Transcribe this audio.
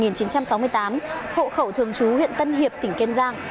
năm một nghìn chín trăm sáu mươi tám hộ khẩu thường trú huyện tân hiệp tỉnh kiên giang